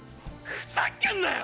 ふざけんなよ！